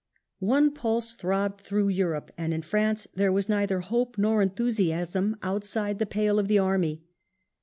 One pulse throbbed throughout Europe, and in France there was neither hope nor enthusiasm outside the pale of the army.